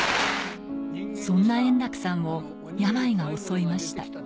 そんな円楽さんを病が襲いました。